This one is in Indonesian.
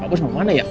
pak bos mau kemana ya